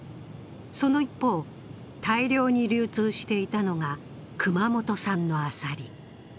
その一方、大量に流通していたのが熊本産のアサリ。